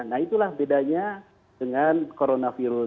nah itulah bedanya dengan coronavirus